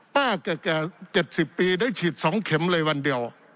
แก่๗๐ปีได้ฉีด๒เข็มเลยวันเดียว